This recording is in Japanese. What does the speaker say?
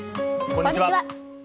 こんにちは。